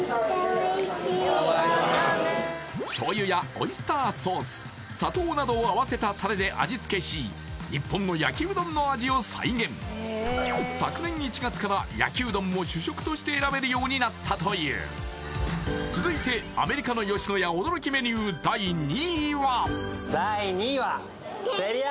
醤油やオイスターソース砂糖などを合わせたタレで味付けし日本の焼うどんの味を再現昨年１月から焼うどんも主食として選べるようになったという続いてアメリカの野家驚きメニュー第２位は？